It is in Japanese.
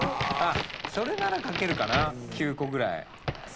あっそれなら書けるかな９個ぐらい。